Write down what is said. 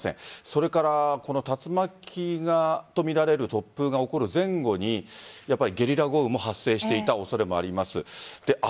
それからこの竜巻とみられる突風が起きる前後にゲリラ豪雨も発生した恐れもあります。